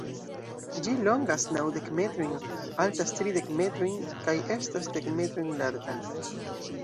Ĝi longas naŭdek metrojn, altas tridek metrojn kaj estas dek-metrojn larĝa.